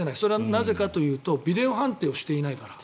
なぜかというとビデオ判定をしてないから。